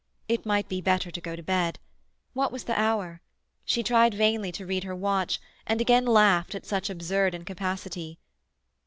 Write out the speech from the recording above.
It might be better to go to bed. What was the hour? She tried vainly to read her watch, and again laughed at such absurd incapacity.